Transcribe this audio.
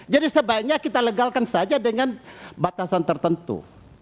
jadi sebaiknya kita legalkan saja dengan batasan tertentu